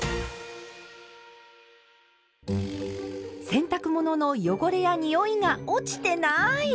洗濯物の汚れやにおいが落ちてない！